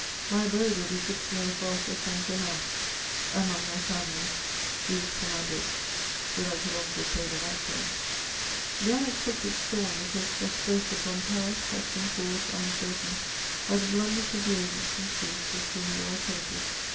My abode will be fixed near the forest of St. Germain — among my family, Greece, and my books — would I could also say the Natchez ! The unexpected storm which has just burst upon Paris, has been caused, I am certain, by the blunders of the agents and chiefs with whom you are acquainted.